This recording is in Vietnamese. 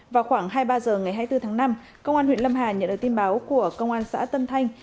vào khoảng hai mươi ba h ngày hai mươi bốn tháng năm công an huyện lâm hà nhận được tin báo của công an xã tân thanh